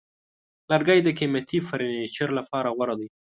لرګی د قیمتي فرنیچر لپاره غوره دی.